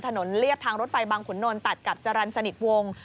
เรียบทางรถไฟบางขุนนลตัดกับจรรย์สนิทวงศ์